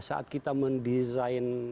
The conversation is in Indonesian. saat kita mendesain